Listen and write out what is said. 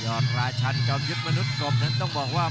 อดราชันจอมยุทธ์มนุษย์กบนั้นต้องบอกว่า